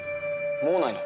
もうないの？